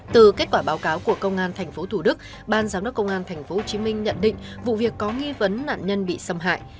từ kết quả báo cáo của công an tp thủ đức ban giám đốc công an tp hcm nhận định vụ việc có nghi vấn nạn nhân bị xâm hại